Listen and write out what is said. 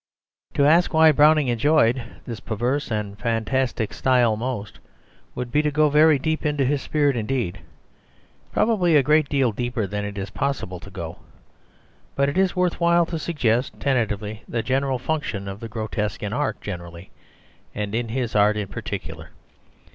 To ask why Browning enjoyed this perverse and fantastic style most would be to go very deep into his spirit indeed, probably a great deal deeper than it is possible to go. But it is worth while to suggest tentatively the general function of the grotesque in art generally and in his art in particular.